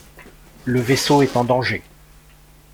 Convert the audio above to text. Le vaisseau est en danger.